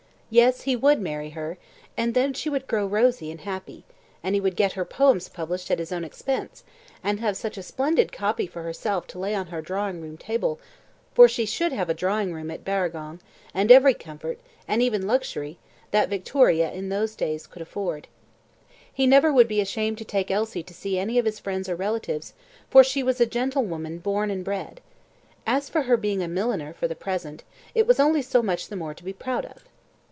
Yes, he would marry her, and then she would grow rosy and happy; and he would get her poems published at his own expense, and have such a splendid copy for herself to lay on her drawing room table for she should have a drawing room at Barragong, and every comfort, and even luxury, that Victoria in those days could afford. He never would be ashamed to take Elsie to see any of his friends or relatives, for she was a gentlewoman born and bred. As for her being a milliner for the present, it was only so much the more to be proud of.